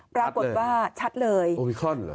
ปรากฏว่าชัดเลยโอมิครอนเหรอ